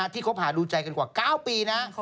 คบหาดูใจกันกว่า๙ปีนะ